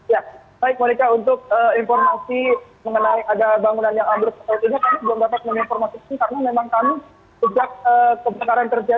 ya baik monica untuk informasi mengenai ada bangunan yang ambruk tersebut ini kami belum dapat menginformasikan